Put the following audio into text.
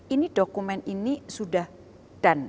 ini dokumen ini sudah dan